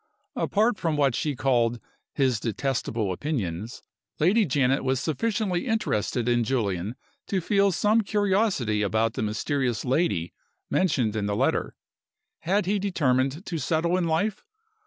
Apart from what she called "his detestable opinions," Lady Janet was sufficiently interested in Julian to feel some curiosity about the mysterious "lady" mentioned in the letter. Had he determined to settle in life?